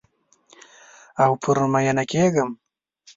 او پر میینه کیږم